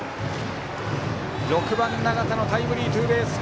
６番、長田のタイムリーツーベース。